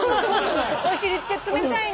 お尻って冷たいの？